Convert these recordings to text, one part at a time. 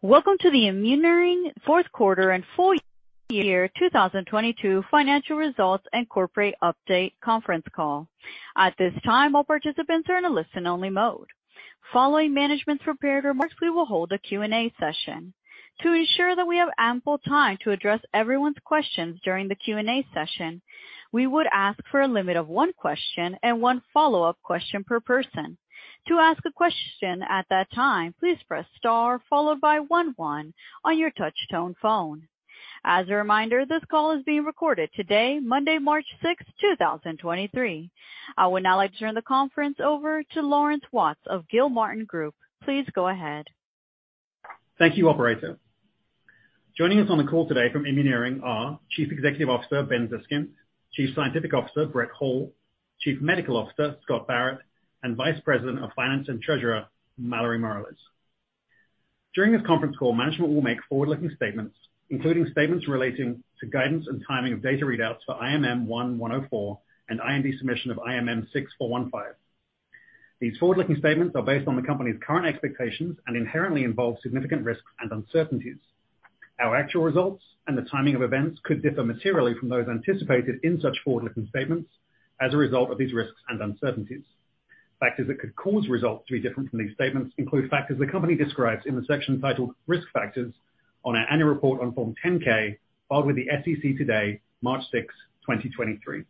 Welcome to the Immuneering fourth quarter and full year 2022 financial results and corporate update conference call. At this time, all participants are in a listen only mode. Following management's prepared remarks, we will hold a Q&A session. To ensure that we have ample time to address everyone's questions during the Q&A session, we would ask for a limit of 1 question and 1 follow-up question per person. To ask a question at that time, please press star followed by 11 on your touch tone phone. As a reminder, this call is being recorded today, Monday, March 6th, 2023. I would now like to turn the conference over to Laurence Watts of Gilmartin Group. Please go ahead. Thank you, operator. Joining us on the call today from Immuneering are Chief Executive Officer, Ben Zeskind, Chief Scientific Officer, Brett Hall, Chief Medical Officer, Scott Barrett, and Vice President of Finance and Treasurer, Mallory Morales. During this conference call, management will make forward-looking statements, including statements relating to guidance and timing of data readouts for IMM-1-104 and IND submission of IMM-6-415. These forward-looking statements are based on the company's current expectations and inherently involve significant risks and uncertainties. Our actual results and the timing of events could differ materially from those anticipated in such forward-looking statements as a result of these risks and uncertainties. Factors that could cause results to be different from these statements include factors the company describes in the section titled Risk Factors on our annual report on Form 10-K, filed with the SEC today, March 6th, 2023.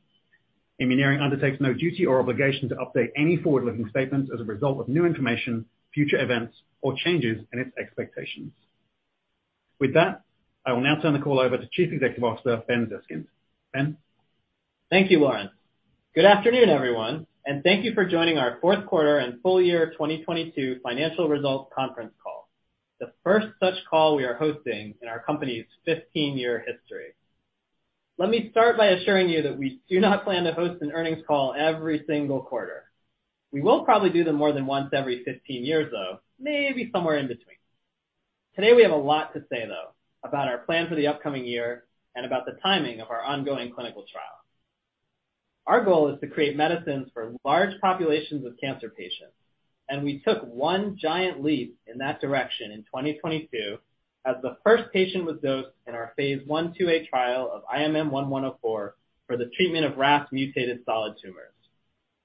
Immuneering undertakes no duty or obligation to update any forward-looking statements as a result of new information, future events, or changes in its expectations. With that, I will now turn the call over to Chief Executive Officer, Ben Zeskind. Ben. Thank you, Laurence. Good afternoon, everyone, and thank you for joining our 4th quarter and full year 2022 financial results conference call, the first such call we are hosting in our company's 15-year history. Let me start by assuring you that we do not plan to host an earnings call every single quarter. We will probably do them more than once every 15 years, though, maybe somewhere in between. Today we have a lot to say, though, about our plan for the upcoming year and about the timing of our ongoing clinical trial. Our goal is to create medicines for large populations of cancer patients, and we took one giant leap in that direction in 2022 as the first patient was dosed in our phase 1/2a trial of IMM-1-104 for the treatment of RAS mutated solid tumors.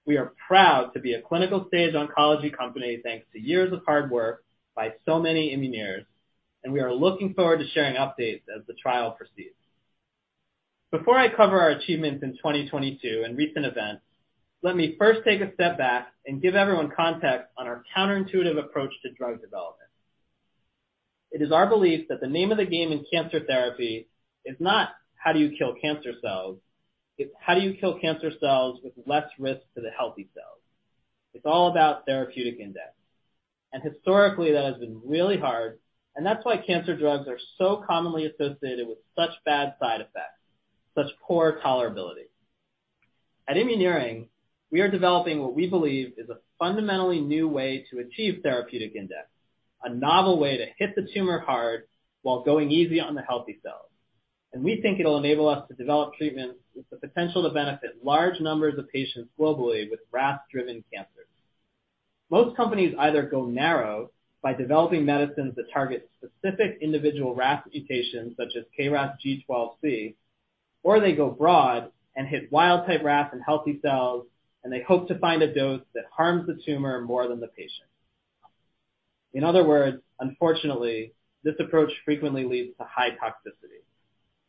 We are proud to be a clinical stage oncology company thanks to years of hard work by so many Immunoengineers. We are looking forward to sharing updates as the trial proceeds. Before I cover our achievements in 2022 and recent events, let me first take a step back and give everyone context on our counterintuitive approach to drug development. It is our belief that the name of the game in cancer therapy is not how do you kill cancer cells, it's how do you kill cancer cells with less risk to the healthy cells. It's all about therapeutic index. Historically, that has been really hard, and that's why cancer drugs are so commonly associated with such bad side effects, such poor tolerability. At Immuneering, we are developing what we believe is a fundamentally new way to achieve therapeutic index, a novel way to hit the tumor hard while going easy on the healthy cells. We think it'll enable us to develop treatments with the potential to benefit large numbers of patients globally with RAS-driven cancers. Most companies either go narrow by developing medicines that target specific individual RAS mutations, such as KRAS G12C, or they go broad and hit wild-type RAS in healthy cells, and they hope to find a dose that harms the tumor more than the patient. In other words, unfortunately, this approach frequently leads to high toxicity.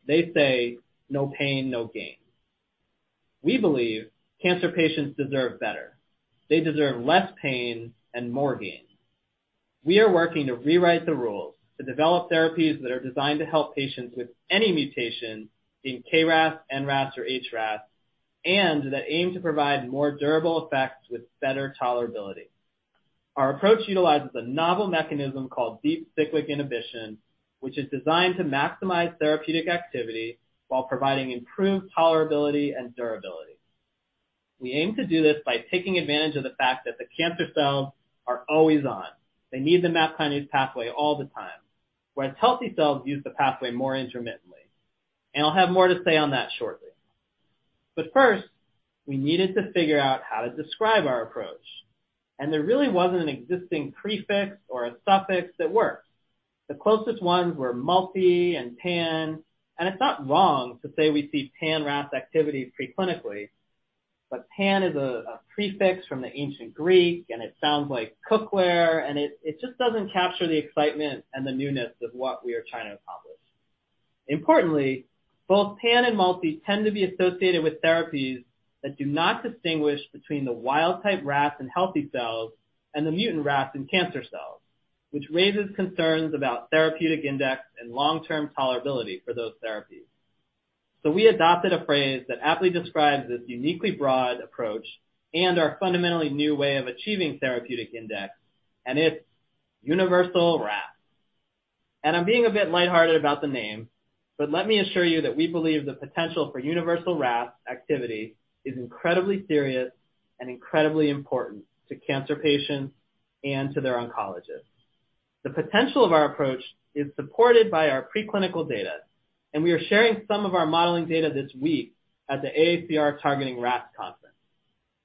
They say, "No pain, no gain." We believe cancer patients deserve better. They deserve less pain and more gain. We are working to rewrite the rules to develop therapies that are designed to help patients with any mutation being KRAS, NRAS or HRAS, and that aim to provide more durable effects with better tolerability. Our approach utilizes a novel mechanism called Deep Cyclic Inhibition, which is designed to maximize therapeutic activity while providing improved tolerability and durability. We aim to do this by taking advantage of the fact that the cancer cells are always on. They need the MAP kinase pathway all the time, whereas healthy cells use the pathway more intermittently. I'll have more to say on that shortly. First, we needed to figure out how to describe our approach, and there really wasn't an existing prefix or a suffix that worked. The closest ones were multi and pan. It's not wrong to say we see pan RAS activity pre-clinically. Pan is a prefix from the ancient Greek, and it sounds like cookware. It just doesn't capture the excitement and the newness of what we are trying to accomplish. Importantly, both pan and multi tend to be associated with therapies that do not distinguish between the wild-type RAS in healthy cells and the mutant RAS in cancer cells, which raises concerns about therapeutic index and long-term tolerability for those therapies. We adopted a phrase that aptly describes this uniquely broad approach and our fundamentally new way of achieving therapeutic index. It's universal-RAS. I'm being a bit light-hearted about the name, but let me assure you that we believe the potential for universal-RAS activity is incredibly serious and incredibly important to cancer patients and to their oncologists. The potential of our approach is supported by our preclinical data, and we are sharing some of our modeling data this week at the AACR Targeting RAS Conference.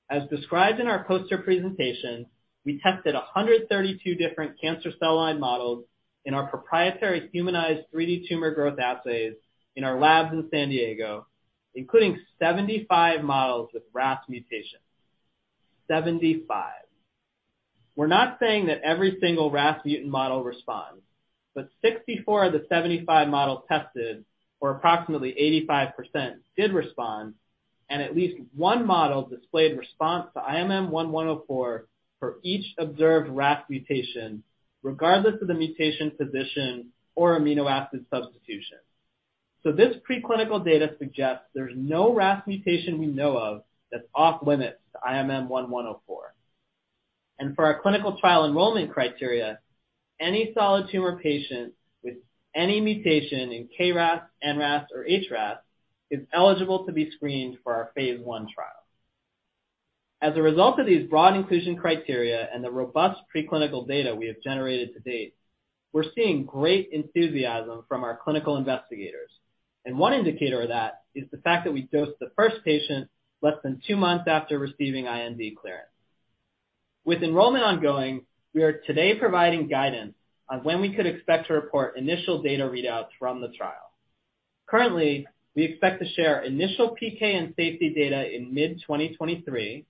As described in our poster presentation, we tested 132 different cancer cell line models in our proprietary humanized 3D tumor growth assays in our labs in San Diego, including 75 models with RAS mutations. 75. We're not saying that every single RAS mutant model responds, but 64 of the 75 models tested, or approximately 85%, did respond, and at least one model displayed response to IMM-1-104 for each observed RAS mutation, regardless of the mutation position or amino acid substitution. This preclinical data suggests there's no RAS mutation we know of that's off-limits to IMM-1-104. For our clinical trial enrollment criteria, any solid tumor patient with any mutation in KRAS, NRAS, or HRAS is eligible to be screened for our phase 1 trial. As a result of these broad inclusion criteria and the robust preclinical data we have generated to date, we're seeing great enthusiasm from our clinical investigators, and one indicator of that is the fact that we dosed the first patient less than 2 months after receiving IND clearance. With enrollment ongoing, we are today providing guidance on when we could expect to report initial data readouts from the trial. Currently, we expect to share initial PK and safety data in mid-2023,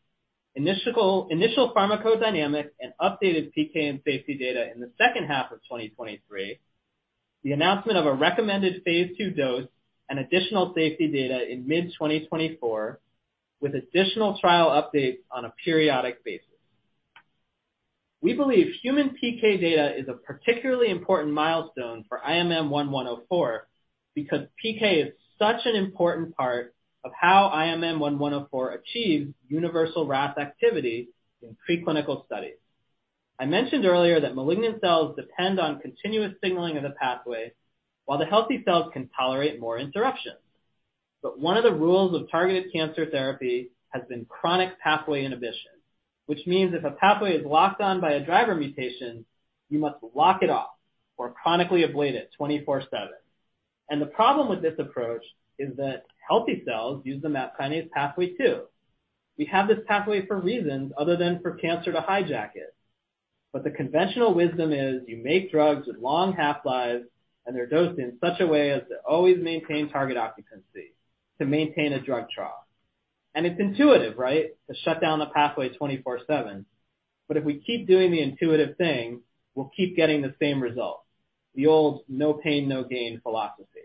initial pharmacodynamic and updated PK and safety data in the second half of 2023, the announcement of a recommended phase 2 dose and additional safety data in mid-2024, with additional trial updates on a periodic basis. We believe human PK data is a particularly important milestone for IMM-1-104 because PK is such an important part of how IMM-1-104 achieves universal-RAS activity in preclinical studies. I mentioned earlier that malignant cells depend on continuous signaling of the pathway, while the healthy cells can tolerate more interruptions. One of the rules of targeted cancer therapy has been chronic pathway inhibition, which means if a pathway is locked on by a driver mutation, you must lock it off or chronically ablate it 24/7. The problem with this approach is that healthy cells use the MAP kinase pathway too. We have this pathway for reasons other than for cancer to hijack it, but the conventional wisdom is you make drugs with long half-lives, and they're dosed in such a way as to always maintain target occupancy to maintain a drug trough. It's intuitive, right? To shut down the pathway 24/7. If we keep doing the intuitive thing, we'll keep getting the same result. The old no pain, no gain philosophy.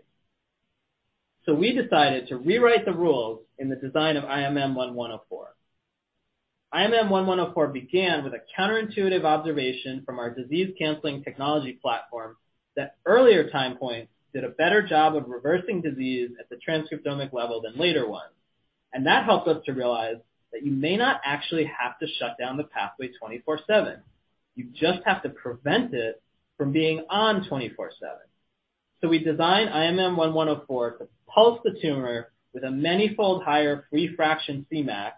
We decided to rewrite the rules in the design of IMM-1-104. IMM-1-104 began with a counterintuitive observation from our Disease-Canceling Technology platform that earlier time points did a better job of reversing disease at the transcriptomic level than later ones. That helped us to realize that you may not actually have to shut down the pathway 24/7. You just have to prevent it from being on 24/7. We designed IMM-1-104 to pulse the tumor with a manyfold higher free fraction Cmax,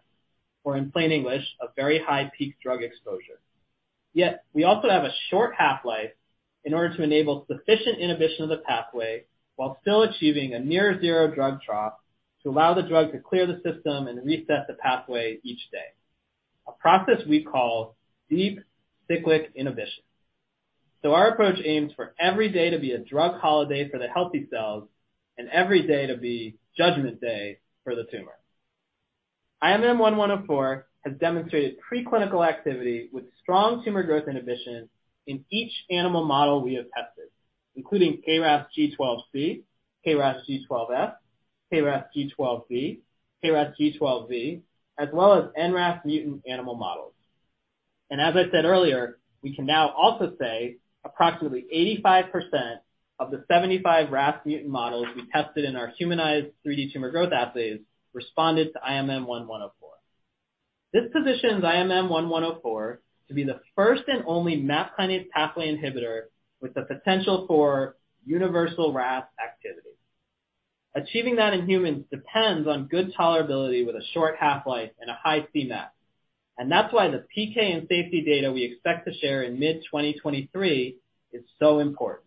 or in plain English, a very high peak drug exposure. Yet, we also have a short half-life in order to enable sufficient inhibition of the pathway while still achieving a near 0 drug trough to allow the drug to clear the system and reset the pathway each day. A process we call Deep Cyclic Inhibition. Our approach aims for every day to be a drug holiday for the healthy cells and every day to be judgment day for the tumor. IMM-1-104 has demonstrated preclinical activity with strong tumor growth inhibition in each animal model we have tested, including KRAS G12C, KRAS G12F, KRAS G12B, KRAS G12Z, as well as NRAS mutant animal models. As I said earlier, we can now also say approximately 85% of the 75 RAS mutant models we tested in our humanized 3D tumor growth assays responded to IMM-1-104. This positions IMM-1-104 to be the first and only MAP kinase pathway inhibitor with the potential for universal-RAS activity. Achieving that in humans depends on good tolerability with a short half-life and a high Cmax. That's why the PK and safety data we expect to share in mid 2023 is so important.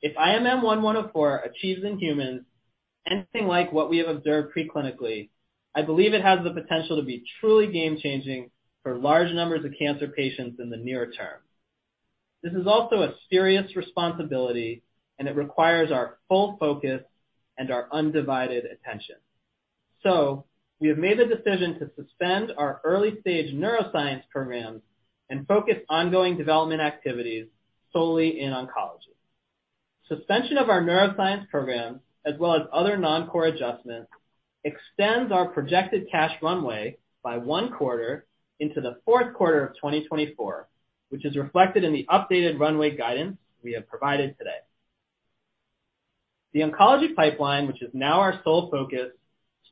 If IMM-1-104 achieves in humans anything like what we have observed preclinically, I believe it has the potential to be truly game-changing for large numbers of cancer patients in the near term. This is also a serious responsibility, it requires our full focus and our undivided attention. We have made the decision to suspend our early-stage neuroscience programs and focus ongoing development activities solely in oncology. Suspension of our neuroscience programs, as well as other non-core adjustments, extends our projected cash runway by 1 quarter into the 4th quarter of 2024, which is reflected in the updated runway guidance we have provided today. The oncology pipeline, which is now our sole focus,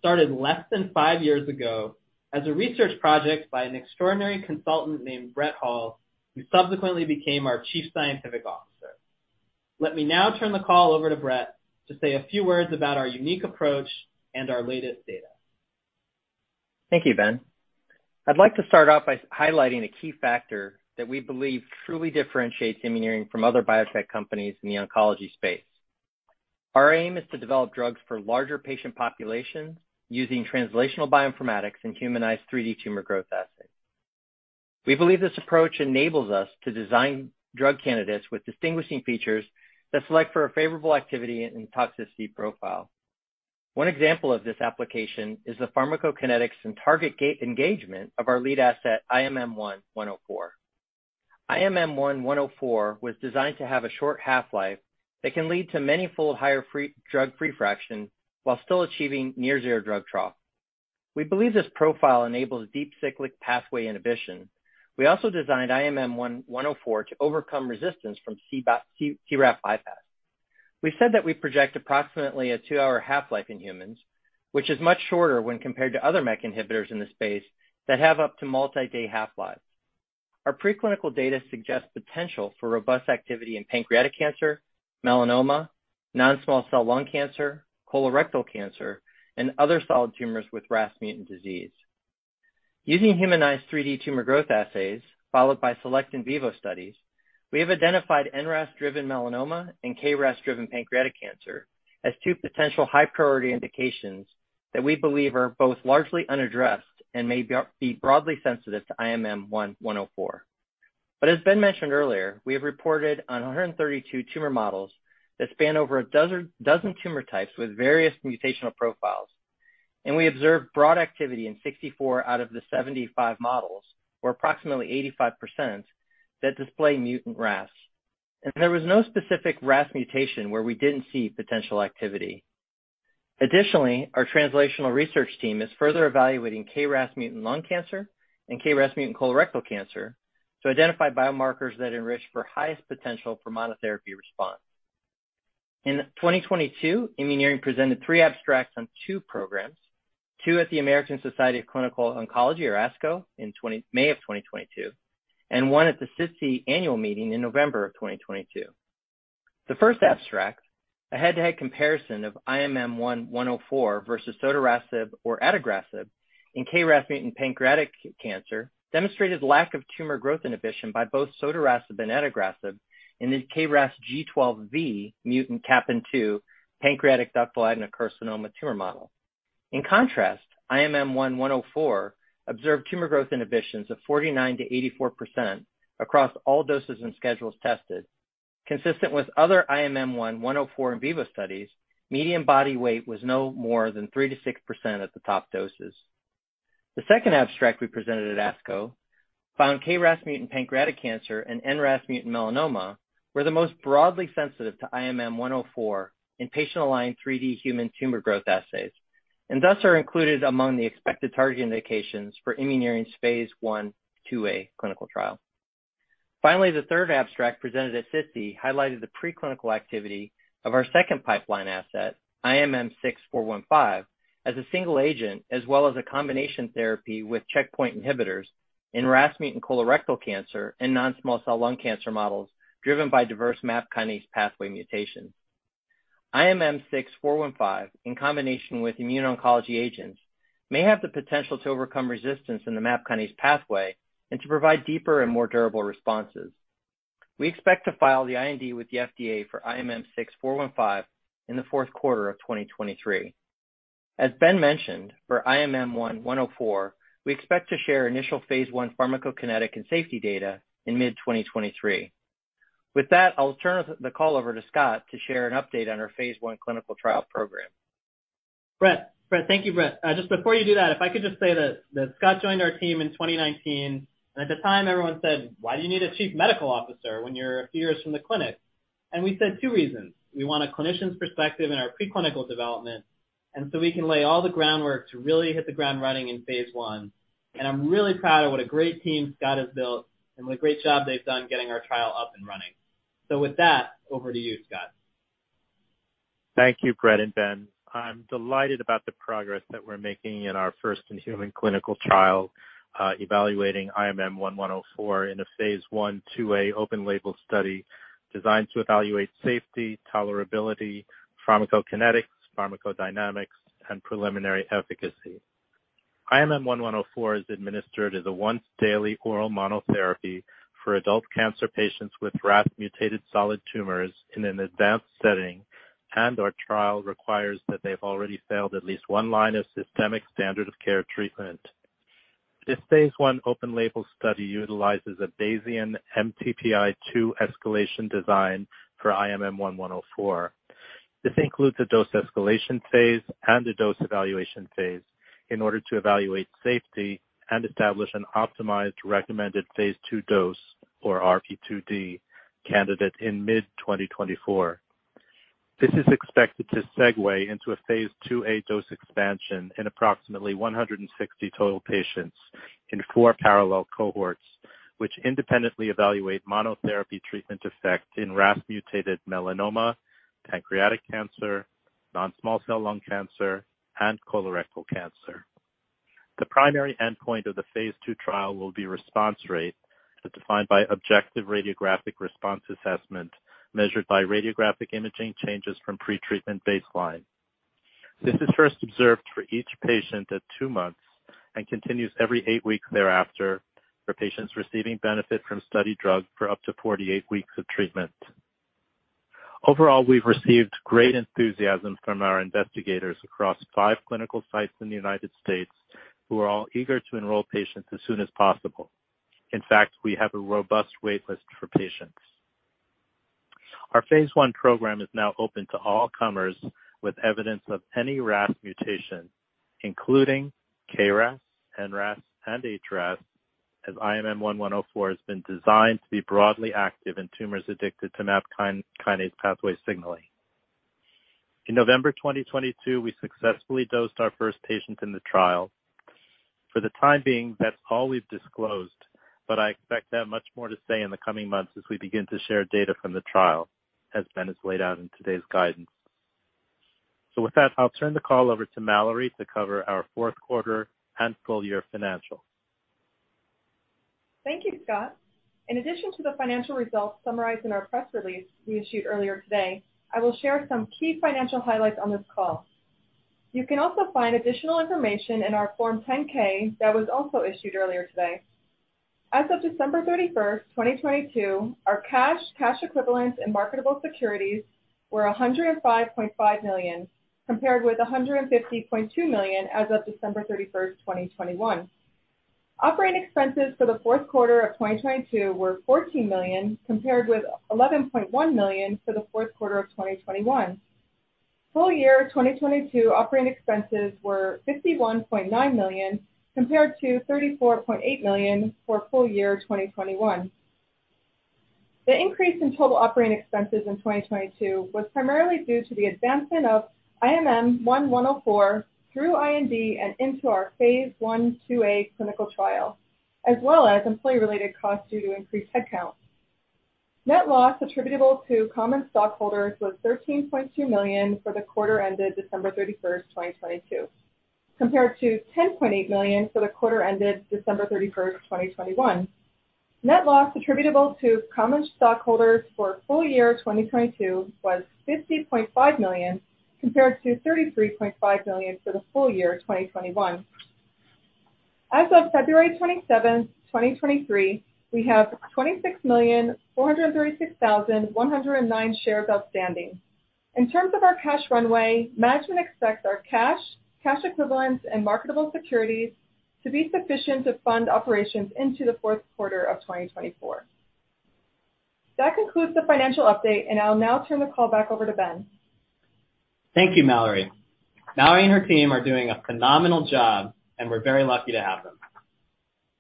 started less than 5 years ago as a research project by an extraordinary consultant named Brett Hall, who subsequently became our Chief Scientific Officer. Let me now turn the call over to Brett to say a few words about our unique approach and our latest data. Thank you, Ben. I'd like to start off by highlighting a key factor that we believe truly differentiates Immuneering from other biotech companies in the oncology space. Our aim is to develop drugs for larger patient populations using translational bioinformatics and humanized 3D tumor growth assays. We believe this approach enables us to design drug candidates with distinguishing features that select for a favorable activity and toxicity profile. One example of this application is the pharmacokinetics and target engagement of our lead asset, IMM-1-104. IMM-1-104 was designed to have a short half-life that can lead to manyfold higher drug-free fraction while still achieving near zero drug trough. We believe this profile enables Deep Cyclic Inhibition. We also designed IMM-1-104 to overcome resistance from CRAF bypass. We said that we project approximately a 2-hour half-life in humans, which is much shorter when compared to other MEK inhibitors in the space that have up to multi-day half-lives. Our preclinical data suggests potential for robust activity in pancreatic cancer, melanoma, non-small cell lung cancer, colorectal cancer, and other solid tumors with RAS mutant disease. Using humanized 3D tumor growth assays followed by select in vivo studies, we have identified NRAS-driven melanoma and KRAS-driven pancreatic cancer as two potential high-priority indications that we believe are both largely unaddressed and may be broadly sensitive to IMM-1-104. As Ben mentioned earlier, we have reported on 132 tumor models that span over a dozen tumor types with various mutational profiles, and we observed broad activity in 64 out of the 75 models, or approximately 85%, that display mutant RAS. There was no specific RAS mutation where we didn't see potential activity. Additionally, our translational research team is further evaluating KRAS mutant lung cancer and KRAS mutant colorectal cancer to identify biomarkers that enrich for highest potential for monotherapy response. In 2022, Immuneering presented three abstracts on two programs, two at the American Society of Clinical Oncology or ASCO in May of 2022, and one at the SITC Annual Meeting in November of 2022. The first abstract, a head-to-head comparison of IMM-1-104 versus sotorasib or adagrasib in KRAS mutant pancreatic cancer, demonstrated lack of tumor growth inhibition by both sotorasib and adagrasib in the KRAS G12V mutant Capan-2 pancreatic ductal adenocarcinoma tumor model. In contrast, IMM-1-104 observed tumor growth inhibitions of 49%-84% across all doses and schedules tested. Consistent with other IMM-1-104 in vivo studies, median body weight was no more than 3%-6% at the top doses. The second abstract we presented at ASCO found KRAS mutant pancreatic cancer and NRAS mutant melanoma were the most broadly sensitive to IMM-1-104 in patient-aligned 3D tumor growth assays, and thus are included among the expected target indications for Immuneering's phase 1, 2A clinical trial. Finally, the third abstract presented at SITC highlighted the preclinical activity of our second pipeline asset, IMM-6-415, as a single agent as well as a combination therapy with checkpoint inhibitors in RAS mutant colorectal cancer and non-small cell lung cancer models driven by diverse MAP kinase pathway mutations. IMM-6-415, in combination with immuno-oncology agents, may have the potential to overcome resistance in the MAP kinase pathway and to provide deeper and more durable responses. We expect to file the IND with the FDA for IMM-6-415 in the fourth quarter of 2023. As Ben mentioned, for IMM-1-104, we expect to share initial phase 1 pharmacokinetic and safety data in mid-2023. With that, I'll turn the call over to Scott to share an update on our phase 1 clinical trial program. Brett, thank you, Brett. just before you do that, if I could just say that Scott joined our team in 2019, at the time everyone said, "Why do you need a chief medical officer when you're a few years from the clinic?" We said 2 reasons. We want a clinician's perspective in our preclinical development and so we can lay all the groundwork to really hit the ground running in phase 1. I'm really proud of what a great team Scott has built and what a great job they've done getting our trial up and running. With that, over to you, Scott. Thank you, Brett and Ben. I'm delighted about the progress that we're making in our first human clinical trial, evaluating IMM-1-104 in a Phase 1, 2A open label study designed to evaluate safety, tolerability, pharmacokinetics, pharmacodynamics, and preliminary efficacy. IMM-1-104 is administered as a once daily oral monotherapy for adult cancer patients with RAS-mutated solid tumors in an advanced setting and our trial requires that they've already failed at least 1 line of systemic standard of care treatment. This Phase 1 open label study utilizes a Bayesian MTPI-2 escalation design for IMM-1-104. This includes a dose escalation phase and a dose evaluation phase in order to evaluate safety and establish an optimized recommended Phase 2 dose for RP2D candidate in mid-2024. This is expected to segue into a phase 2A dose expansion in approximately 160 total patients in four parallel cohorts, which independently evaluate monotherapy treatment effect in RAS-mutated melanoma, pancreatic cancer, non-small cell lung cancer, and colorectal cancer. The primary endpoint of the phase 2 trial will be response rate, as defined by objective radiographic response assessment measured by radiographic imaging changes from pretreatment baseline. This is first observed for each patient at two months and continues every eight weeks thereafter for patients receiving benefit from study drug for up to 48 weeks of treatment. Overall, we've received great enthusiasm from our investigators across five clinical sites in the United States who are all eager to enroll patients as soon as possible. In fact, we have a robust wait list for patients. Our phase I program is now open to all comers with evidence of any RAS mutation, including KRAS, NRAS, and HRAS, as IMM-1-104 has been designed to be broadly active in tumors addicted to MAP kinase pathway signaling. In November 2022, we successfully dosed our first patient in the trial. For the time being, that's all we've disclosed, but I expect to have much more to say in the coming months as we begin to share data from the trial, as Ben has laid out in today's guidance. With that, I'll turn the call over to Mallory to cover our fourth quarter and full year financials. Thank you, Scott. In addition to the financial results summarized in our press release we issued earlier today, I will share some key financial highlights on this call. You can also find additional information in our Form 10-K that was also issued earlier today. As of December 31, 2022, our cash equivalents, and marketable securities were $105.5 million, compared with $150.2 million as of December 31, 2021. Operating expenses for the fourth quarter of 2022 were $14 million compared with $11.1 million for the fourth quarter of 2021. Full year 2022 operating expenses were $51.9 million compared to $34.8 million for full year 2021. The increase in total operating expenses in 2022 was primarily due to the advancement of IMM-1-104 through IND and into our phase 1/2A clinical trial, as well as employee-related costs due to increased headcount. Net loss attributable to common stockholders was $13.2 million for the quarter ended December 31st, 2022, compared to $10.8 million for the quarter ended December 31st, 2021. Net loss attributable to common stockholders for full year 2022 was $50.5 million compared to $33.5 million for the full year 2021. As of February 27th, 2023, we have 26,436,109 shares outstanding. In terms of our cash runway, management expects our cash equivalents, and marketable securities to be sufficient to fund operations into the fourth quarter of 2024. That concludes the financial update. I'll now turn the call back over to Ben. Thank you, Mallory. Mallory and her team are doing a phenomenal job, and we're very lucky to have them.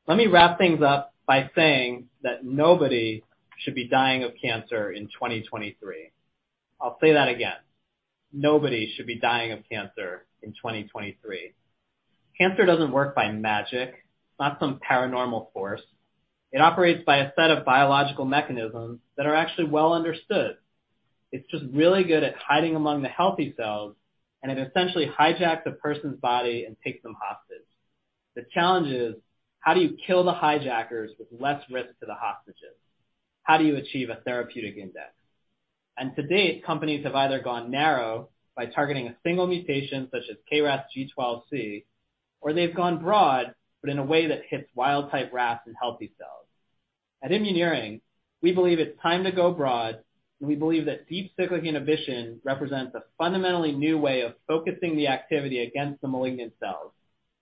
Let me wrap things up by saying that nobody should be dying of cancer in 2023. I'll say that again. Nobody should be dying of cancer in 2023. Cancer doesn't work by magic. It's not some paranormal force. It operates by a set of biological mechanisms that are actually well understood. It's just really good at hiding among the healthy cells, and it essentially hijacks a person's body and takes them hostage. The challenge is, how do you kill the hijackers with less risk to the hostages? How do you achieve a therapeutic index? To date, companies have either gone narrow by targeting a single mutation such as KRAS G12C, or they've gone broad, but in a way that hits wild type RAS in healthy cells. At Immuneering, we believe it's time to go broad. We believe that Deep Cyclic Inhibition represents a fundamentally new way of focusing the activity against the malignant cells,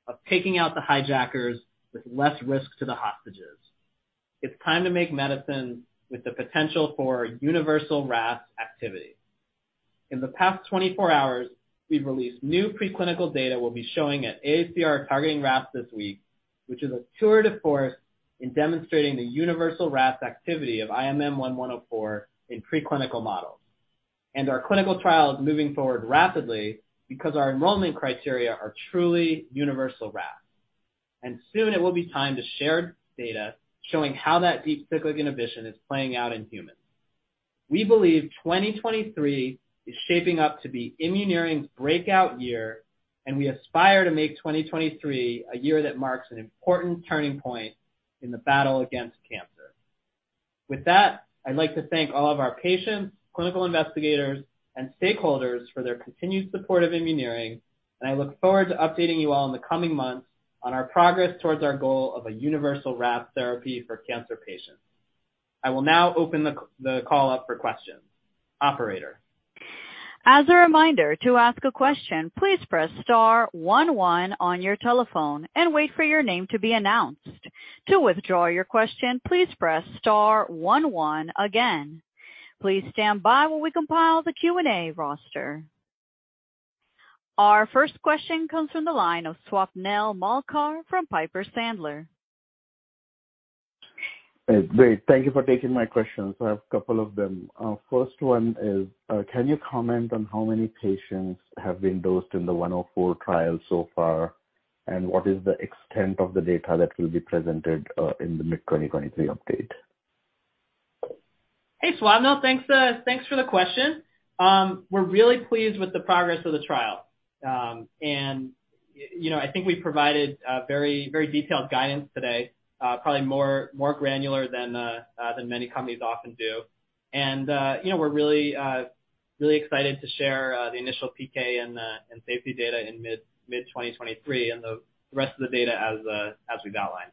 of taking out the hijackers with less risk to the hostages. It's time to make medicine with the potential for universal-RAS activity. In the past 24 hours, we've released new preclinical data we'll be showing at AACR Targeting RAS this week, which is a tour de force in demonstrating the universal-RAS activity of IMM-1-104 in preclinical models. Our clinical trial is moving forward rapidly because our enrollment criteria are truly universal-RAS. Soon it will be time to share data showing how that Deep Cyclic Inhibition is playing out in humans. We believe 2023 is shaping up to be Immuneering's breakout year. We aspire to make 2023 a year that marks an important turning point in the battle against cancer. With that, I'd like to thank all of our patients, clinical investigators, and stakeholders for their continued support of Immuneering. I look forward to updating you all in the coming months on our progress towards our goal of a universal-RAS therapy for cancer patients. I will now open the call up for questions. Operator? As a reminder, to ask a question, please press star one one on your telephone and wait for your name to be announced. To withdraw your question, please press star one one again. Please stand by while we compile the Q&A roster. Our first question comes from the line of Swapnil Malekar from Piper Sandler. Great. Thank Thank you for taking my questions. I have a couple of them. First one is, can you comment on how many patients have been dosed in the 104 trial so far? What is the extent of the data that will be presented in the mid-2023 update? Hey, Swapnil. Thanks for the question. We're really pleased with the progress of the trial. You know, I think we provided very detailed guidance today, probably more granular than many companies often do. You know, we're really excited to share the initial PK and safety data in mid-2023 and the rest of the data as we've outlined.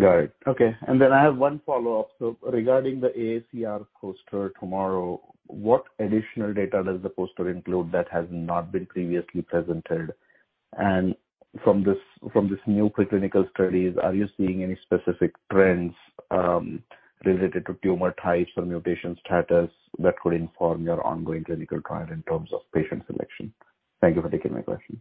Got it. Okay. I have one follow-up. Regarding the AACR poster tomorrow, what additional data does the poster include that has not been previously presented? From this new preclinical studies, are you seeing any specific trends related to tumor types or mutation status that could inform your ongoing clinical trial in terms of patient selection? Thank you for taking my question.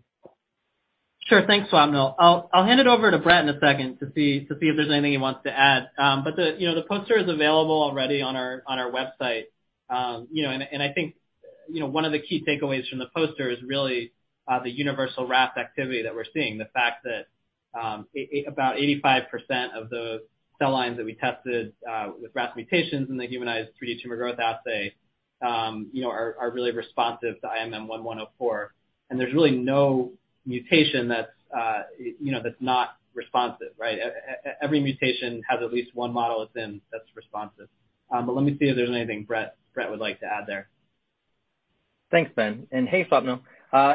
Sure. Thanks, Swapnil. I'll hand it over to Brett in a second to see if there's anything he wants to add. The, you know, the poster is available already on our website. You know, I think, you know, one of the key takeaways from the poster is really the universal-RAS activity that we're seeing. The fact that about 85% of the cell lines that we tested with RAS mutations in the humanized 3D tumor growth assay, you know, are really responsive to IMM-1-104. There's really no mutation that's, you know, that's not responsive, right? Every mutation has at least 1 model within that's responsive. Let me see if there's anything Brett would like to add there. Thanks, Ben. Hey, Swapnil.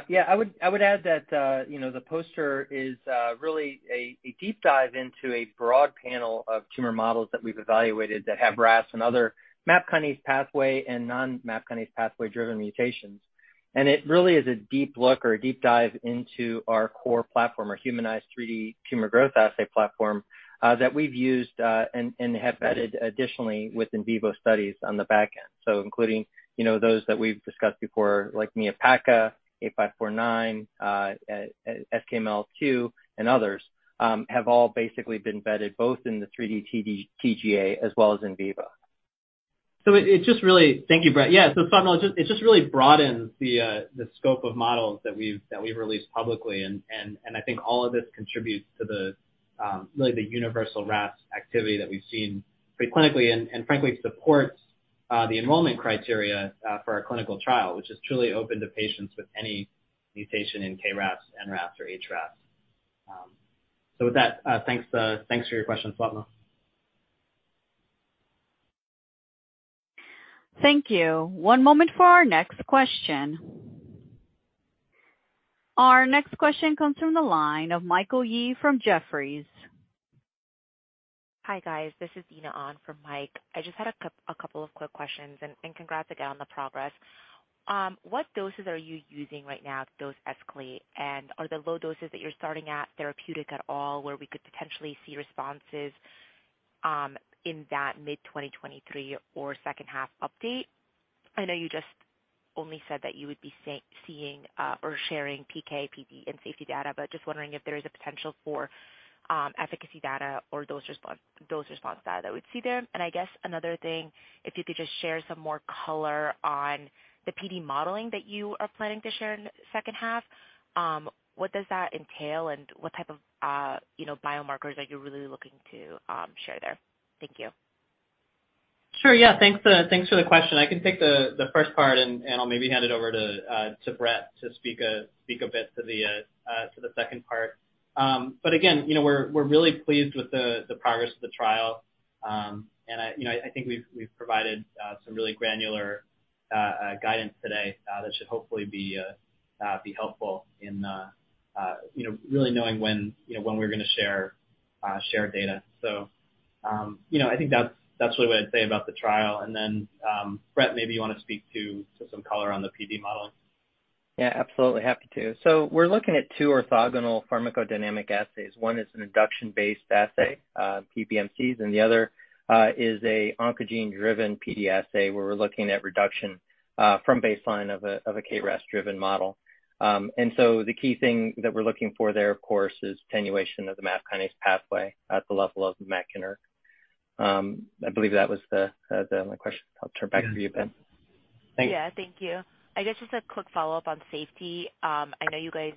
Yeah, I would add that, you know, the poster is really a deep dive into a broad panel of tumor models that we've evaluated that have RAS and other MAP kinase pathway and non-MAP kinase pathway-driven mutations. It really is a deep look or a deep dive into our core platform, our humanized 3D tumor growth assay platform that we've used and have vetted additionally with in vivo studies on the back end. Including, you know, those that we've discussed before, like MIA PaCa-2, A549, SK-MEL-2, and others, have all basically been vetted both in the 3D TGA as well as in vivo. It just really. Thank you, Brett. Swapnil, it just really broadens the scope of models that we've released publicly, and I think all of this contributes to the really the universal-RAS activity that we've seen pre-clinically and frankly, supports the enrollment criteria for our clinical trial, which is truly open to patients with any mutation in KRAS, NRAS or HRAS. With that, thanks for your question, Swapnil. Thank you. One moment for our next question. Our next question comes from the line of Michael Yee from Jefferies. Hi, guys. This is Dina on for Mike. I just had a couple of quick questions. Congrats again on the progress. What doses are you using right now to dose escalate? Are the low doses that you're starting at therapeutic at all, where we could potentially see responses in that mid 2023 or second half update? I know you just only said that you would be seeing or sharing PK, PD, and safety data. Just wondering if there is a potential for efficacy data or dose response data that we'd see there. I guess another thing, if you could just share some more color on the PD modeling that you are planning to share in the second half, what does that entail and what type of, you know, biomarkers are you really looking to share there? Thank you. Sure. Yeah, thanks for the question. I can take the first part and I'll maybe hand it over to Brett to speak a bit to the second part. Again, you know, we're really pleased with the progress of the trial. I, you know, I think we've provided some really granular guidance today that should hopefully be helpful in, you know, really knowing when, you know, when we're gonna share data. You know, I think that's really what I'd say about the trial. Then, Brett, maybe you wanna speak to some color on the PD modeling. Yeah, absolutely. Happy to. We're looking at two orthogonal pharmacodynamic assays. One is an induction-based assay, PBMCs, and the other is an oncogene-driven PD assay, where we're looking at reduction from baseline of a KRAS-driven model. The key thing that we're looking for there, of course, is attenuation of the MAP kinase pathway at the level of MEK and ERK. I believe that was the only question. I'll turn back to you, Ben. Yeah. Thank you. I guess just a quick follow-up on safety. I know you guys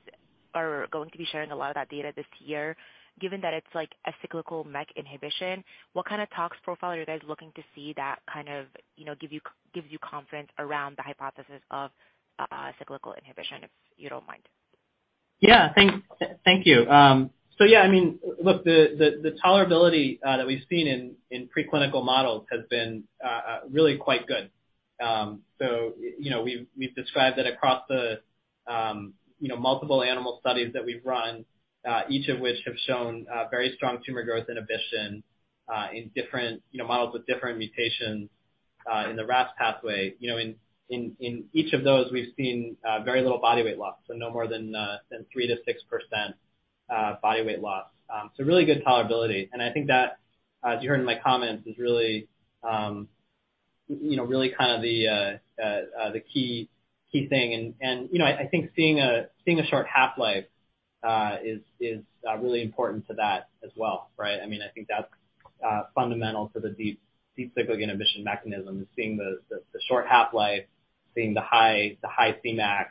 are going to be sharing a lot of that data this year. Given that it's like a cyclical MEK inhibition, what kind of tox profile are you guys looking to see that kind of, you know, gives you confidence around the hypothesis of cyclical inhibition, if you don't mind? Yeah. Thank you. I mean, look, the tolerability that we've seen in preclinical models has been really quite good. You know, we've described that across the, you know, multiple animal studies that we've run, each of which have shown very strong tumor growth inhibition in different, you know, models with different mutations in the RAS pathway. You know, in each of those, we've seen very little body weight loss, no more than 3% to 6% body weight loss. Really good tolerability. I think that, as you heard in my comments, is really, you know, really kind of the key thing. You know, I think seeing a short half-life is really important to that as well, right? I mean, I think that's fundamental to the Deep Cyclic Inhibition mechanism is seeing the short half-life, seeing the high Cmax,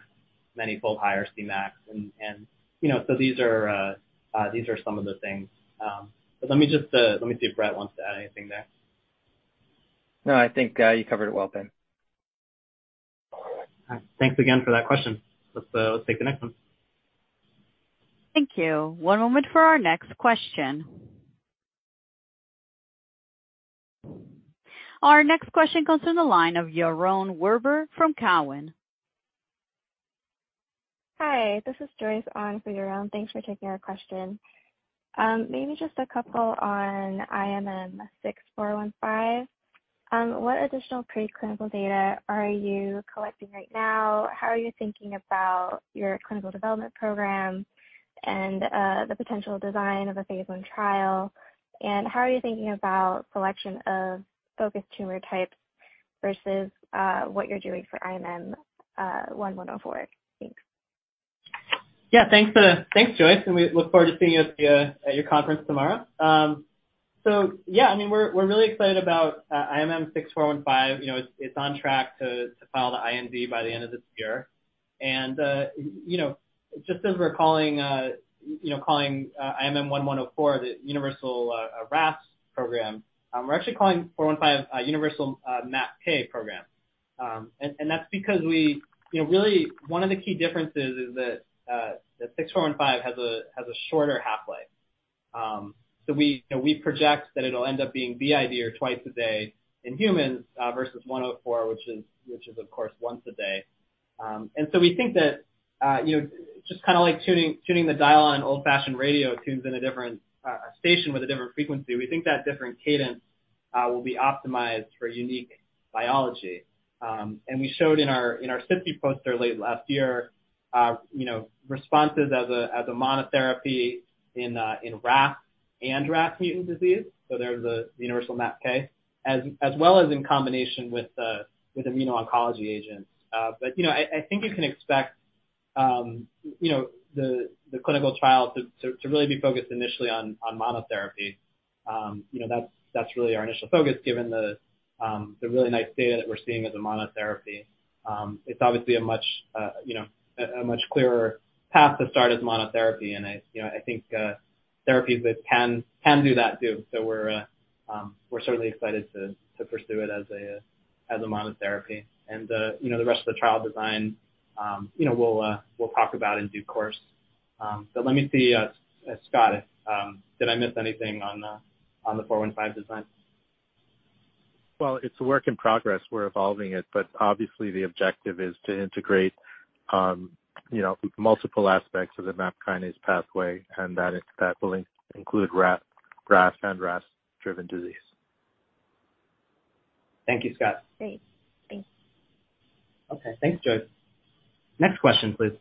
many-fold higher Cmax. You know, these are some of the things. Let me just let me see if Brett wants to add anything there. No, I think, you covered it well, Ben. All right. Thanks again for that question. Let's take the next one. Thank you. One moment for our next question. Our next question comes from the line of Yaron Werber from Cowen. Hi, this is Joyce on for Yaron. Thanks for taking our question. Maybe just a couple on IMM-6-415. What additional preclinical data are you collecting right now? How are you thinking about your clinical development program and the potential design of a phase 1 trial? How are you thinking about selection of focused tumor types versus what you're doing for IMM-1-104? Thanks. Thanks, Joyce, and we look forward to seeing you at your conference tomorrow. I mean, we're really excited about IMM-6-415. You know, it's on track to file the IND by the end of this year. You know, just as we're calling, you know, calling IMM-1-104 the universal RAS program, we're actually calling 415 a universal MAPK program. That's because we. You know, really one of the key differences is that 6-415 has a shorter half-life. We, you know, we project that it'll end up being BID or twice a day in humans, versus 104, which is of course once a day. We think that, you know, just kinda like tuning the dial on old-fashioned radio tunes in a different station with a different frequency, we think that different cadence, will be optimized for unique biology. We showed in our SITC poster late last year, you know, responses as a monotherapy in RAF and RAF mutant disease, so there's a universal MAPK, as well as in combination with immuno-oncology agents. You know, I think you can expect, you know, the clinical trial to really be focused initially on monotherapy. You know, that's really our initial focus given the really nice data that we're seeing as a monotherapy. It's obviously a much, you know, a much clearer path to start as monotherapy. I, you know, I think therapies that can do that too. We're certainly excited to pursue it as a monotherapy. You know, the rest of the trial design, you know, we'll talk about in due course. Let me see, Scott, did I miss anything on the 415 design? It's a work in progress. We're evolving it, but obviously, the objective is to integrate, you know, multiple aspects of the MAP kinase pathway and that will include RAF, RAS, NRAS-driven disease. Thank you, Scott. Great. Thanks. Okay. Thanks, Joyce. Next question, please.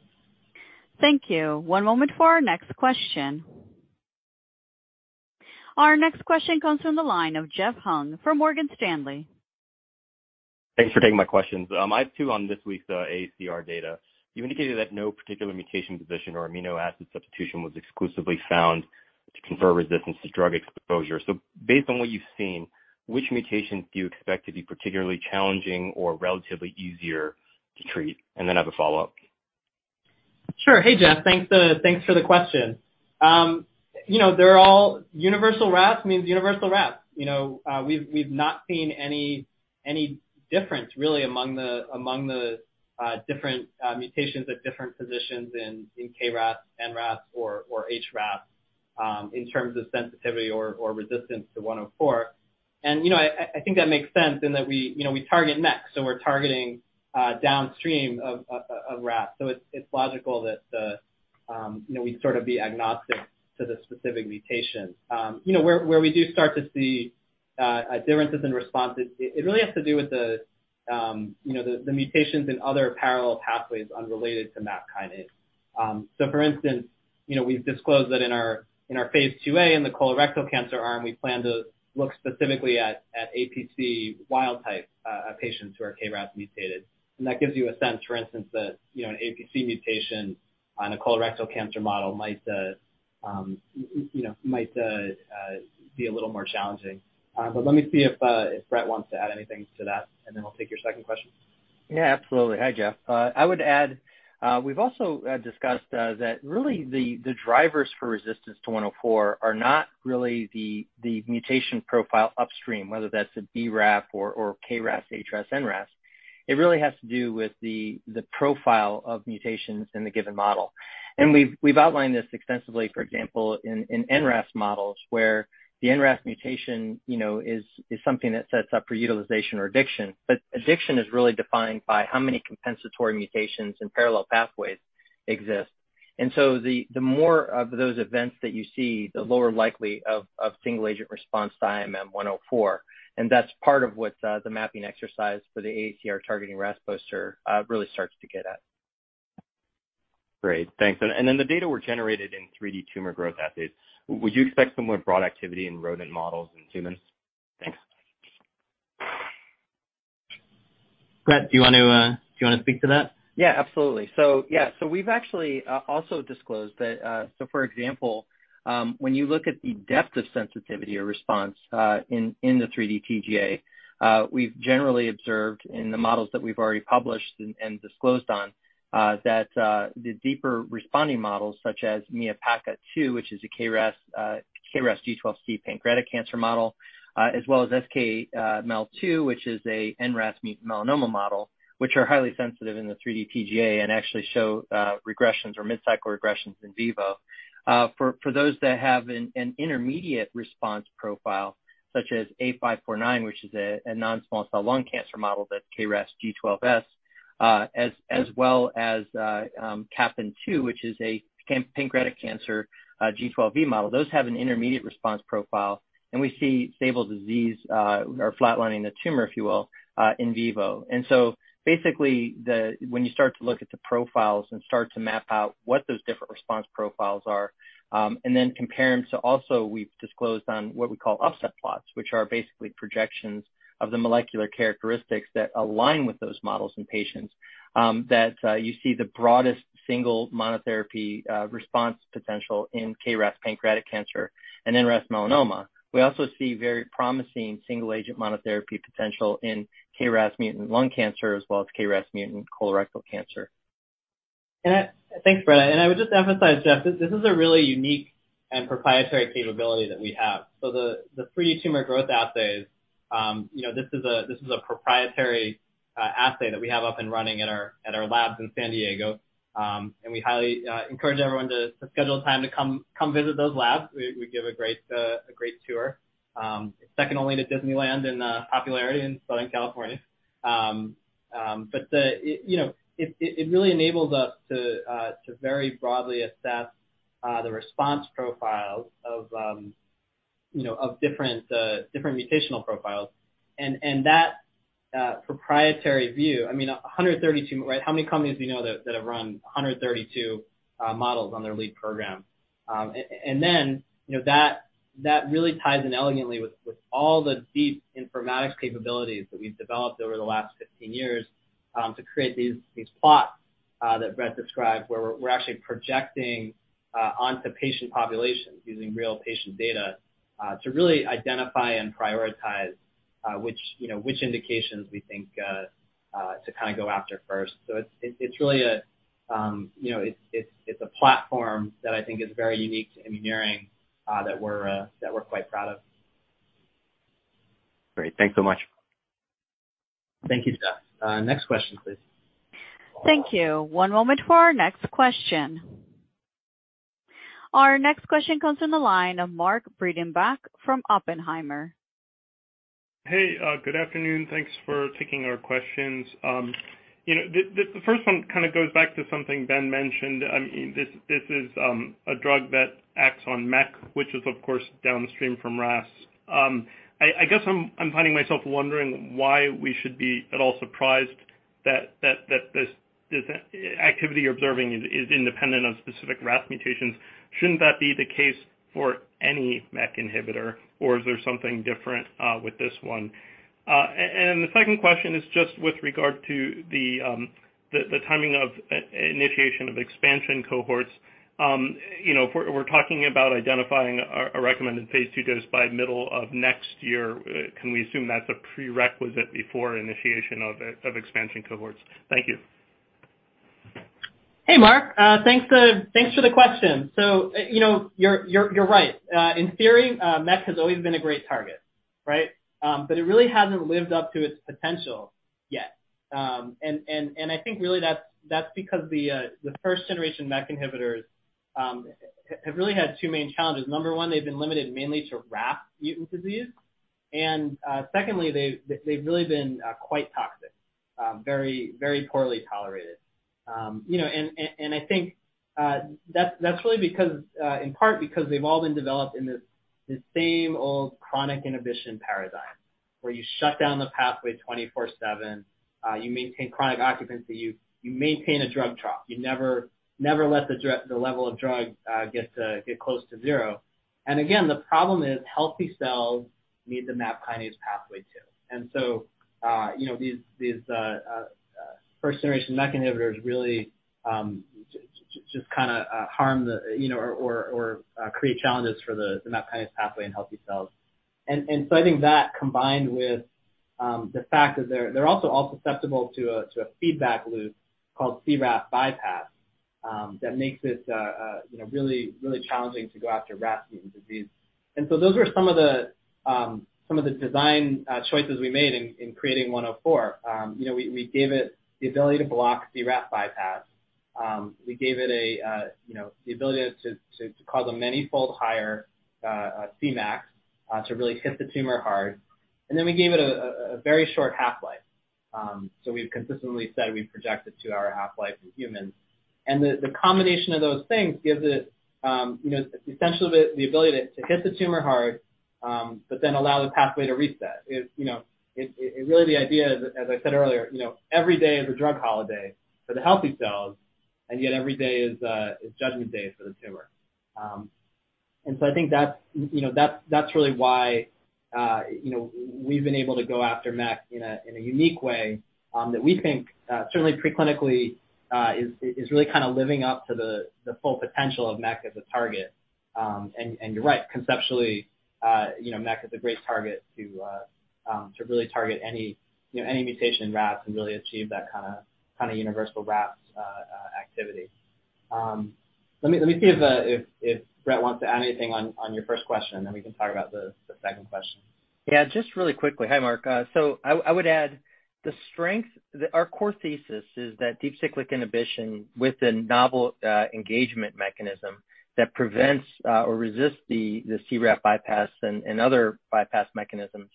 Thank you. One moment for our next question. Our next question comes from the line of Jeff Hung from Morgan Stanley. Thanks for taking my questions. I have two on this week's AACR data. You indicated that no particular mutation position or amino acid substitution was exclusively found to confer resistance to drug exposure. Based on what you've seen, which mutations do you expect to be particularly challenging or relatively easier to treat? Then I have a follow-up. Sure. Hey, Jeff. Thanks, thanks for the question. You know, universal-RAS means universal-RAS. You know, we've not seen any difference really among the different mutations at different positions in KRAS, NRAS or HRAS in terms of sensitivity or resistance to one oh four. You know, I think that makes sense in that we, you know, we target MEK, so we're targeting downstream of RAS. It's logical that, you know, we'd sort of be agnostic to the specific mutations. You know, where we do start to see differences in responses, it really has to do with the, you know, the mutations in other parallel pathways unrelated to MAP kinase. For instance, you know, we've disclosed that in our, in our phase 2A in the colorectal cancer arm, we plan to look specifically at APC wild type patients who are KRAS mutated. That gives you a sense, for instance, that, you know, an APC mutation on a colorectal cancer model might, you know, might be a little more challenging. Let me see if Brett wants to add anything to that, and then we'll take your second question. Yeah, absolutely. Hi, Jeff. I would add, we've also discussed that really the drivers for resistance to 104 are not really the mutation profile upstream, whether that's a BRAF or KRAS, HRAS, NRAS. It really has to do with the profile of mutations in the given model. We've outlined this extensively, for example, in NRAS models where the NRAS mutation, you know, is something that sets up for utilization or addiction, but addiction is really defined by how many compensatory mutations and parallel pathways exist. The more of those events that you see, the lower likely of single agent response to IMM-1-104. That's part of what the mapping exercise for the AACR Targeting RAS poster really starts to get at. Great. Thanks. Then the data were generated in 3D tumor growth assays. Would you expect similar broad activity in rodent models in humans? Thanks. Brett, do you wanna speak to that? Absolutely. Yeah. We've actually, also disclosed that. For example, when you look at the depth of sensitivity or response in the 3D TGA, we've generally observed in the models that we've already published and disclosed on. That the deeper responding models such as MIA PaCa-2, which is a KRAS G12C pancreatic cancer model, as well as SK-MEL-2, which is a NRAS mutant melanoma model, which are highly sensitive in the 3D TGA and actually show regressions or mid-cycle regressions in vivo. For those that have an intermediate response profile, such as A549, which is a non-small cell lung cancer model that KRAS G12S, as well as Capan-2, which is a pancreatic cancer, G12V model. Those have an intermediate response profile, and we see stable disease, or flatlining the tumor, if you will, in vivo. Basically when you start to look at the profiles and start to map out what those different response profiles are, and then compare them to also we've disclosed on what we call offset plots, which are basically projections of the molecular characteristics that align with those models in patients, that you see the broadest single monotherapy response potential in KRAS pancreatic cancer and NRAS melanoma. We also see very promising single agent monotherapy potential in KRAS mutant lung cancer as well as KRAS mutant colorectal cancer. Thanks, Brett. I would just emphasize, Jeff, this is a really unique and proprietary capability that we have. The 3D tumor growth assays, you know, this is a proprietary assay that we have up and running at our labs in San Diego. We highly encourage everyone to schedule time to come visit those labs. We give a great tour, second only to Disneyland in popularity in Southern California. The, you know, it really enables us to very broadly assess the response profiles of, you know, of different mutational profiles, and that proprietary view, I mean, 132, right? How many companies do we know that have run 132 models on their lead program? And then, you know, that really ties in elegantly with all the deep informatics capabilities that we've developed over the last 15 years, to create these plots that Brett described where we're actually projecting onto patient populations using real patient data to really identify and prioritize which indications we think to kind of go after first. It's really a, you know, it's a platform that I think is very unique to Immuneering that we're quite proud of. Great. Thanks so much. Thank you, Jeff. Next question, please. Thank you. One moment for our next question. Our next question comes from the line of Mark Breidenbach from Oppenheimer. Hey, good afternoon. Thanks for taking our questions. You know, the first one kind of goes back to something Ben mentioned. I mean, this is a drug that acts on MEK, which is of course downstream from RAS. I guess I'm finding myself wondering why we should be at all surprised that this activity you're observing is independent of specific RAS mutations. Shouldn't that be the case for any MEK inhibitor, or is there something different with this one? The second question is just with regard to the timing of initiation of expansion cohorts. You know, if we're talking about identifying a recommended phase 2 dose by middle of next year, can we assume that's a prerequisite before initiation of expansion cohorts? Thank you. Hey, Mark. Thanks, thanks for the question. You know, you're right. In theory, MEK has always been a great target, right? It really hasn't lived up to its potential yet. And I think really that's because the first generation MEK inhibitors have really had two main challenges. Number one, they've been limited mainly to RAF mutant disease. Secondly, they've really been quite toxic, very poorly tolerated. You know, and I think that's really because in part because they've all been developed in this same old chronic inhibition paradigm, where you shut down the pathway 24/7, you maintain chronic occupancy, you maintain a drug trough. You never let the level of drug get to, get close to zero. Again, the problem is healthy cells need the MAP kinase pathway too. You know, these first generation MEK inhibitors really just kinda harm the, you know, or create challenges for the MAP kinase pathway in healthy cells. I think that combined with the fact that they're also all susceptible to a feedback loop called CRAF bypass, that makes it, you know, really, really challenging to go after RAS mutant disease. Those are some of the design choices we made in creating 104. You know, we gave it the ability to block CRAF bypass. We gave it, you know, the ability to cause a manyfold higher Cmax to really hit the tumor hard. Then we gave it a very short half-life. So we've consistently said we projected 2-hour half-life in humans. The combination of those things gives it, you know, essentially the ability to hit the tumor hard, but then allow the pathway to reset. It, you know, it, really the idea, as I said earlier, you know, every day is a drug holiday for the healthy cells, and yet every day is judgment day for the tumor. I think that's, you know, that's really why, you know, we've been able to go after MEK in a unique way, that we think, certainly pre-clinically, is really kind of living up to the full potential of MEK as a target. You're right. Conceptually, you know, MEK is a great target to really target any, you know, any mutation in RAS and really achieve that kinda universal-RAS activity. Let me, let me see if Brett wants to add anything on your first question, then we can talk about the second question. Yeah, just really quickly. Hi, Mark. So I would add the, our core thesis is that Deep Cyclic Inhibition with a novel engagement mechanism that prevents or resists the RAS bypass and other bypass mechanisms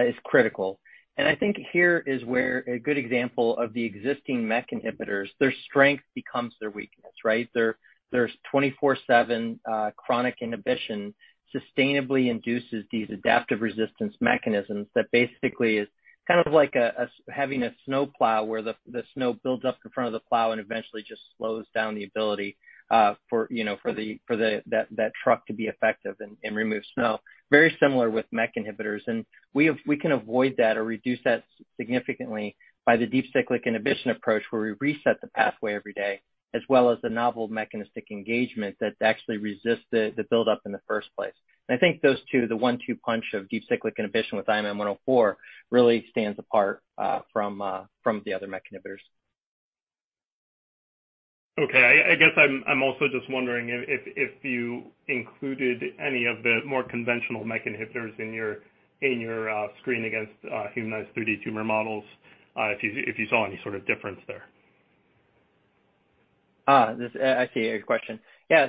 is critical. I think here is where a good example of the existing MEK inhibitors, their strength becomes their weakness, right? Their, their 24/7 chronic inhibition sustainably induces these adaptive resistance mechanisms that basically is kind of like a having a snow plow where the snow builds up in front of the plow and eventually just slows down the ability for, you know, for the truck to be effective and remove snow. Very similar with MEK inhibitors. We can avoid that or reduce that significantly by the Deep Cyclic Inhibition approach where we reset the pathway every day, as well as the novel mechanistic engagement that actually resists the buildup in the first place. I think those two, the one-two punch of Deep Cyclic Inhibition with IMM-1-104 really stands apart from the other MEK inhibitors. Okay. I guess I'm also just wondering if you included any of the more conventional MEK inhibitors in your screen against humanized 3D tumor models, if you saw any sort of difference there? This I see your question. Yeah.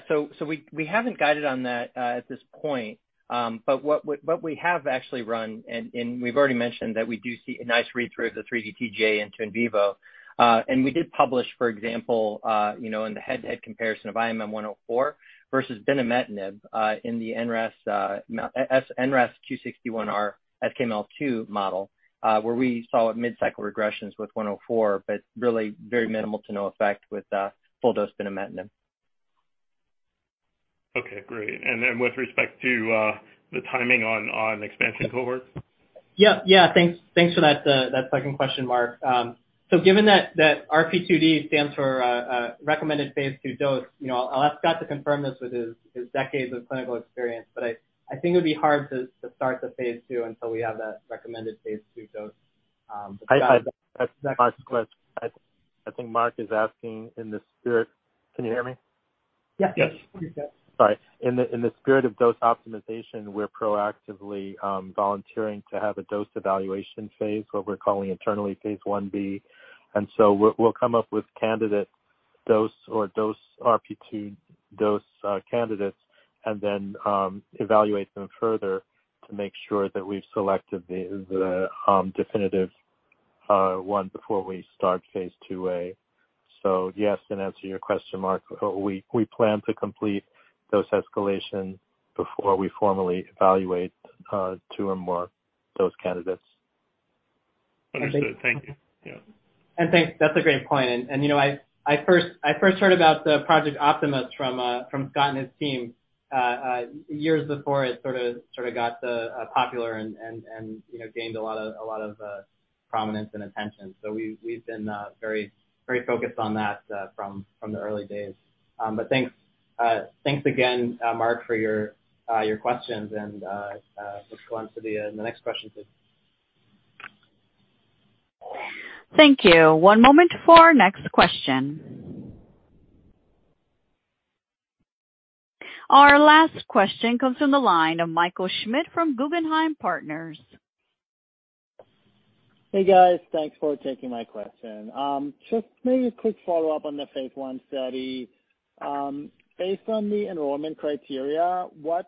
We haven't guided on that at this point. What we have actually run and we've already mentioned that we do see a nice read-through of the 3D-TiD into in vivo. We did publish, for example, you know, in the head-to-head comparison of IMM-104 versus binimetinib in the NRAS Q61R SK-MEL-2 model, where we saw mid-cycle regressions with 104, really very minimal to no effect with full dose binimetinib. Okay, great. Then with respect to the timing on expansion cohorts? Yeah. Yeah. Thanks. Thanks for that second question, Mark. Given that RP2D stands for, recommended phase two dose, you know, I'll ask Scott to confirm this with his decades of clinical experience, but I think it would be hard to start the phase two until we have that recommended phase two dose. I Scott, I think Mark is asking in the spirit. Can you hear me? Yeah. Yes. Sorry. In the spirit of dose optimization, we're proactively volunteering to have a dose evaluation phase, what we're calling internally phase 1B. We'll come up with candidate RP2 dose candidates and then evaluate them further to make sure that we've selected the definitive one before we start phase 2A. Yes, in answer to your question, Mark, we plan to complete dose escalation before we formally evaluate two or more dose candidates. Understood. Thank you. Yeah. Thanks. That's a great point. you know, I first heard about the Project Optimus from Scott and his team years before it sort of got popular and, you know, gained a lot of prominence and attention. We've been very focused on that from the early days. Thanks again, Mark, for your questions and let's go on to the next question please. Thank you. One moment for our next question. Our last question comes from the line of Michael Schmidt from Guggenheim Partners. Hey, guys. Thanks for taking my question. Just maybe a quick follow-up on the phase 1 study. Based on the enrollment criteria, what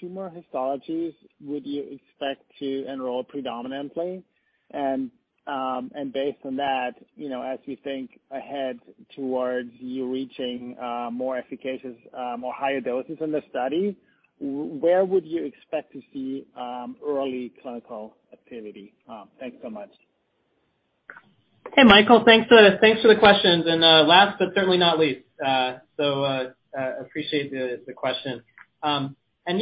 tumor histologies would you expect to enroll predominantly? Based on that, you know, as you think ahead towards you reaching more efficacious or higher doses in this study, where would you expect to see early clinical activity? Thanks so much. Hey, Michael. Thanks for the questions. Last but certainly not least, appreciate the question.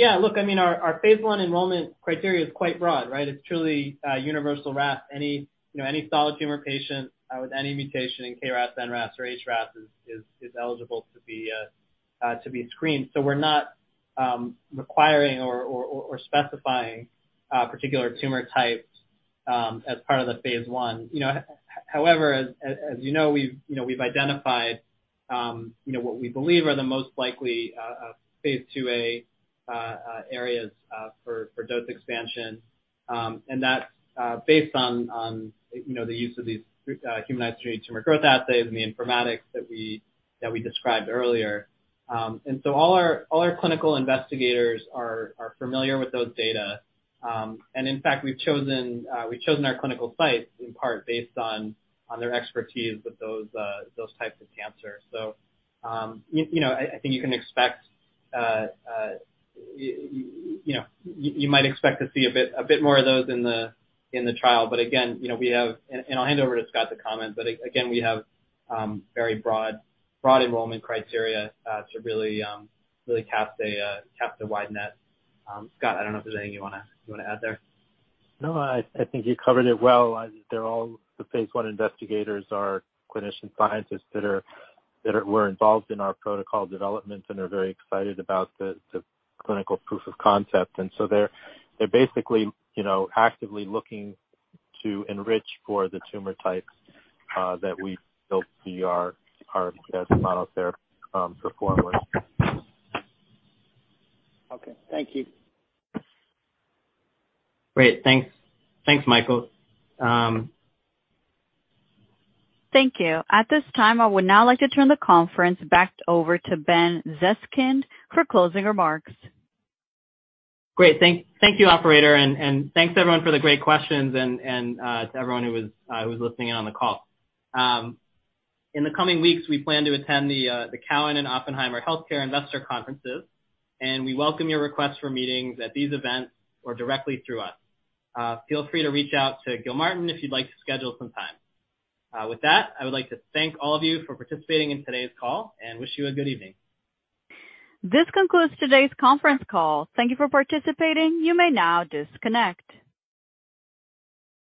Yeah, look, I mean, our phase 1 enrollment criteria is quite broad, right? It's truly universal-RAS. Any, you know, solid tumor patient with any mutation in KRAS, NRAS or HRAS is eligible to be screened. We're not requiring or specifying particular tumor types as part of the phase 1. You know, however, as you know, we've, you know, identified, you know, what we believe are the most likely phase 2A areas for dose expansion. That's based on, you know, the use of these humanized 3D tumor growth assays and the informatics that we described earlier. So all our clinical investigators are familiar with those data. In fact, we've chosen our clinical sites in part based on their expertise with those types of cancer. You know, I think you can expect, you know, you might expect to see a bit more of those in the trial. Again, you know, we have... I'll hand over to Scott to comment, but again, we have very broad enrollment criteria to really cast a wide net. Scott, I don't know if there's anything you wanna add there? No, I think you covered it well. They're the phase 1 investigators are clinicians, scientists that are involved in our protocol development and are very excited about the clinical proof of concept. They're basically, you know, actively looking to enrich for the tumor types that we built the, our asset monotherapy performance. Okay. Thank you. Great. Thanks. Thanks, Michael. Thank you. At this time, I would now like to turn the conference back over to Ben Zeskind for closing remarks. Great. Thank you, operator, and thanks everyone for the great questions and to everyone who was listening in on the call. In the coming weeks, we plan to attend the Cowen and Oppenheimer Healthcare Investor Conferences, and we welcome your request for meetings at these events or directly through us. Feel free to reach out to Gilmartin Group if you'd like to schedule some time. With that, I would like to thank all of you for participating in today's call and wish you a good evening. This concludes today's conference call. Thank Thank you for participating. You may now disconnect.